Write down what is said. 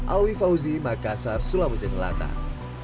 awi fauzi makassar sulawesi selatan